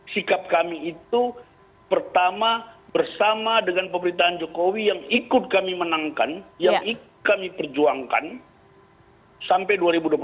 sikap kami itu pertama bersama dengan pemerintahan jokowi yang ikut kami menangkan yang kami perjuangkan sampai dua ribu dua puluh empat